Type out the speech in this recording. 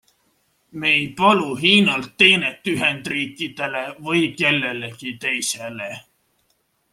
Me ei palu Hiinalt teenet Ühendriikidele või kellelegi teisele.